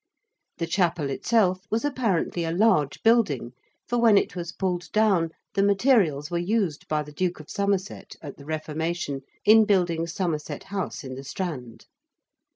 The chapel itself was apparently a large building, for when it was pulled down the materials were used by the Duke of Somerset at the Reformation in building Somerset House in the Strand.